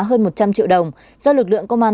hơn một trăm linh triệu đồng do lực lượng công an